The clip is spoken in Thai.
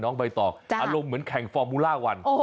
ใบตองอารมณ์เหมือนแข่งฟอร์มูล่าวัน